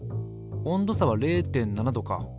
温度差は０．７℃か。